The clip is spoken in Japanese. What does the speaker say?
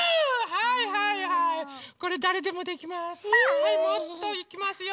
はいもっといきますよ。